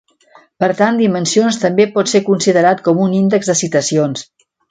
Per tant Dimensions també pot ser considerat com un índex de citacions.